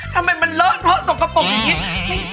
ทำไมมันละทุกกระป๋องนี้